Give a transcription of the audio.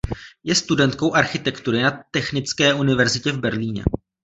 Je studentkou architektury na technické univerzitě v Berlíně.